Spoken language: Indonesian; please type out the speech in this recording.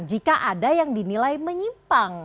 jika ada yang dinilai menyimpang